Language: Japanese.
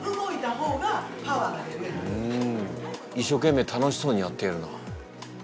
うん一生懸命楽しそうにやっているな。